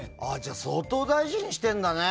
相当大事にしているんだね。